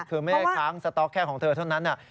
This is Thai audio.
คือไม่ได้ค้างสต๊อกแค่ของเธอเท่านั้น